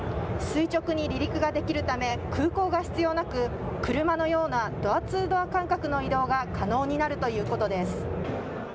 垂直に離陸ができるため空港が必要なく車のようなドア・ツー・ドア感覚の移動が可能になるということです。